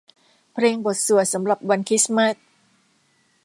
เพลงบทสวดสำหรับวันคริสต์มาส